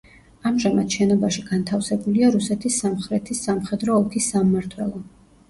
ამჟამად შენობაში განთავსებულია რუსეთის სამხრეთის სამხედრო ოლქის სამმართველო.